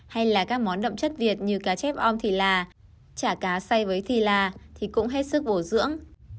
hay là các món đậm chất việt như cá chép om thì là chả cá say với thì là thì cũng hết sức bổ dưỡng